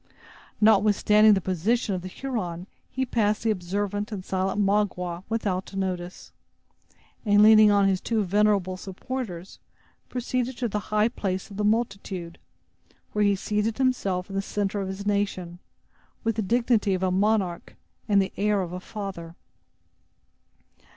Notwithstanding the position of the Huron, he passed the observant and silent Magua without notice, and leaning on his two venerable supporters proceeded to the high place of the multitude, where he seated himself in the center of his nation, with the dignity of a monarch and the air of a father.